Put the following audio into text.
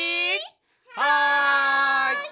はい！